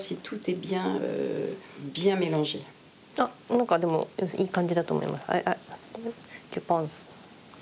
何かでもいい感じだと思います。